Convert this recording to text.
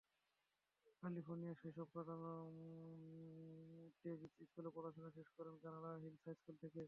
ক্যালিফোর্নিয়াতে শৈশব কাটানো ট্রেভিস স্কুলের পড়াশোনা শেষ করেন গ্রানাডা হিলস হাইস্কুল থেকে।